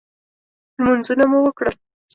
لمنځونه مو وکړل.